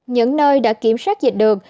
những nơi đã kiểm soát dịch được